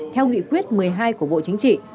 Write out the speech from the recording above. theo nghị quyết một mươi hai của bộ chính trị